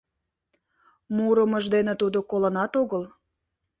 Мурымыж дене тудо колынат огыл.